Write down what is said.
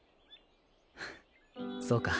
そうか。